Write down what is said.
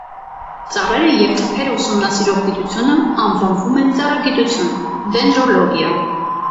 Ծառերը և թփերը ուսումնասիրող գիտությունը անվանվում է ծառագիտություն (դենդրոլոգիա)։